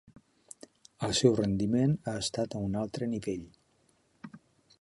El seu rendiment ha estat a un altre nivell.